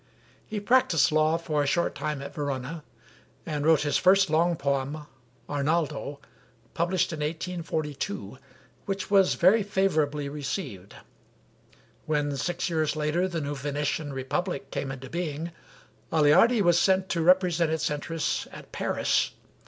He practiced law for a short time at Verona, and wrote his first long poem, 'Arnaldo,' published in 1842, which was very favorably received. When six years later the new Venetian republic came into being, Aleardi was sent to represent its interests at Paris.